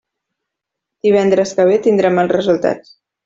Divendres que ve tindrem els resultats.